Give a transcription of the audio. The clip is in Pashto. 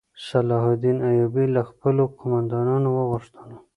صلاح الدین ایوبي له خپلو قوماندانانو وغوښتل.